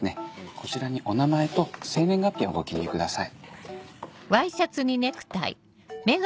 こちらにお名前と生年月日をご記入ください。